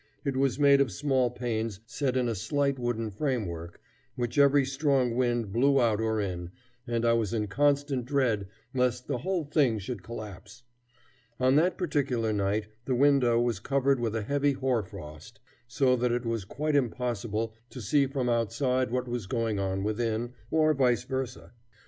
It was made of small panes set in a slight wooden framework, which every strong wind blew out or in, and I was in constant dread lest the whole thing should collapse. On that particular night the window was covered with a heavy hoarfrost, so that it was quite impossible to see from outside what was going on within, or vice versa.